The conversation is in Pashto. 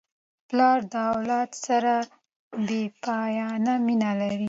پلار د اولاد سره بېپایانه مینه لري.